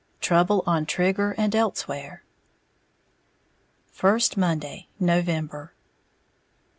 XV TROUBLE ON TRIGGER AND ELSEWHERE _First Monday, November.